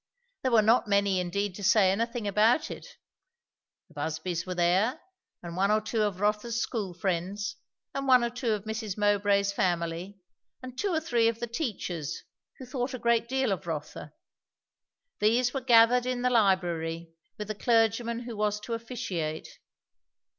There were not many indeed to say anything about it; the Busbys were there, and one or two of Rotha's school friends, and one or two of Mrs. Mowbray's family, and two or three of the teachers, who thought a great deal of Rotha. These were gathered in the library, with the clergyman who was to officiate.